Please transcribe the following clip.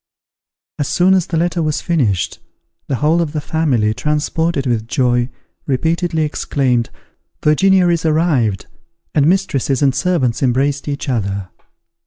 As soon as the letter was finished, the whole of the family, transported with joy, repeatedly exclaimed, "Virginia is arrived!" and mistresses and servants embraced each other.